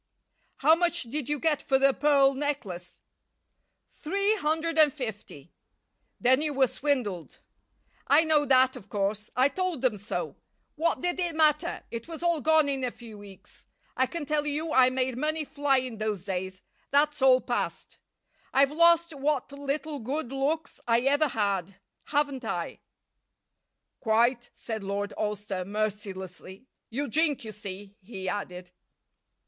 "How much did you get for the pearl necklace?" "Three hundred and fifty." "Then you were swindled." "I know that, of course. I told them so. What did it matter? It was all gone in a few weeks. I can tell you I made money fly in those days. That's all past. I've lost what little good looks I ever had, haven't I?" "Quite," said Lord Alcester, mercilessly. "You drink, you see," he added.